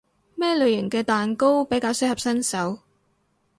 咩類型嘅蛋糕比較適合新手？